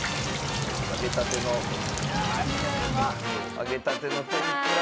揚げたての天ぷら。